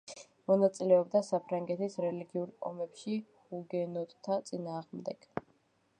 მონაწილეობდა საფრანგეთის რელიგიური ომებში ჰუგენოტთა წინააღმდეგ.